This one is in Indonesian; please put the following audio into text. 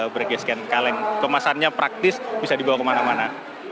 bright gas can kaleng kemasannya praktis bisa dibawa kemana mana